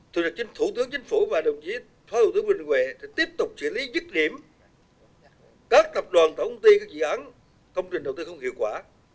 thủ tướng chính phủ và đồng chí phó thủ tướng vương đình huệ tiếp tục xử lý rứt điểm các tập đoàn thổng tiên các dự án công trình đầu tư không hiệu quả